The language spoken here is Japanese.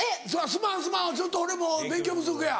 すまんすまんちょっと俺も勉強不足や。